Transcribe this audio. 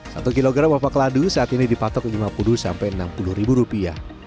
satu kilogram wafak ladu saat ini dipatok lima puluh enam puluh ribu rupiah